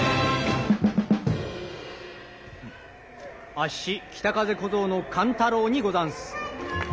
あっし北風小僧の寒太郎にござんす。